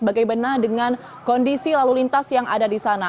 bagaimana dengan kondisi lalu lintas yang ada di sana